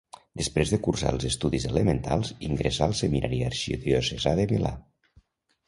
Després de cursar els estudis elementals, ingressà al seminari arxidiocesà de Milà.